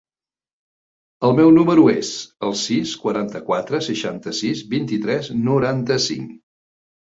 El meu número es el sis, quaranta-quatre, seixanta-sis, vint-i-tres, noranta-cinc.